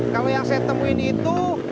kalau yang saya temuin itu